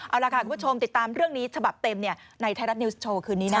เอาล่ะค่ะคุณผู้ชมติดตามเรื่องนี้ฉบับเต็มในไทยรัฐนิวส์โชว์คืนนี้นะ